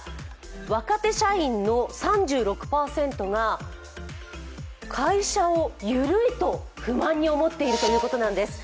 若手社員の３６％が会社をゆるいと不満に思っているということなんです。